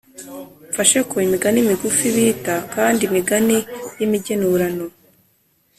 Mfashe ko: Imigani migufi bita kandi imigani yimigenurano